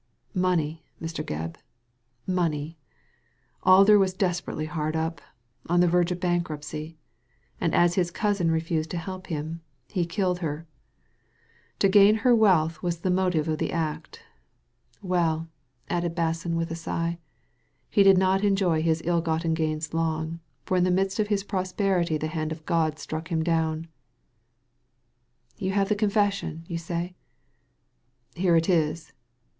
" "Money, Mr. Gebb— money. Alder was des perately hard up— on the verge of bankruptcy ; and as his cousin refused to help him, he killed her. To Digitized by Google HOW THE DEED WAS DONE 261 gain her wealth was the motive of the act Well/' added Basson, with a sigh, he did not enjoy his ill* gotten gains long, for in the midst of his prosperity the hand of God struck him down/* You have the confession, you say ?"Here it is